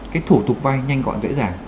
cái thủ tục vai nhanh gọn dễ dàng